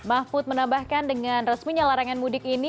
mahfud menambahkan dengan resminya larangan mudik ini